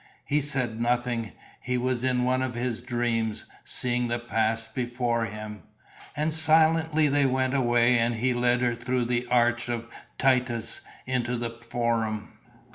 He said nothing, he was in one of his dreams, seeing the past before him. And silently they went away and he led her through the Arch of Titus into the Forum.